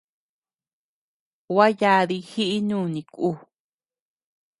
Gua yadi jiʼi nuni kú.